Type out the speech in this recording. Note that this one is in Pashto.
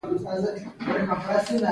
عطرونه د ښه مجلس فضا جوړوي.